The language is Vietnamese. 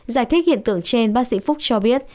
giải thích hiện tượng trên bác sĩ phúc cho biết